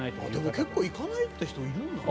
結構、行かないという人いるんだね。